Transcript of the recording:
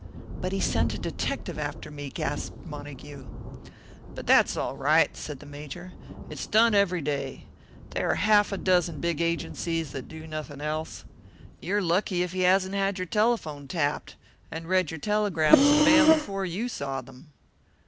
"But he sent a detective after me!" gasped Montague. "But that's all right," said the Major. "It is done every day. There are a half dozen big agencies that do nothing else. You are lucky if he hasn't had your telephone tapped, and read your telegrams and mail before you saw them."